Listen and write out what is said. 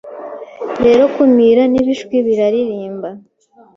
rero kumira nibishwi biraririmba